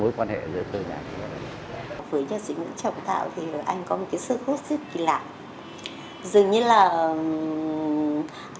với nhà sĩ nguyễn trọng tạo thì anh có một cái sức hút rất là lạ